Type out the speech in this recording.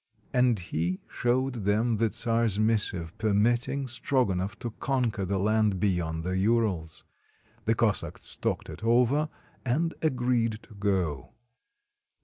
And he showed them the czar's missive permitting Strogonoff to conquer the land beyond the Urals. The Cossacks talked it over and agreed to go.